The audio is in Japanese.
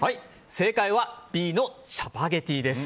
正解はＢのチャパゲティです。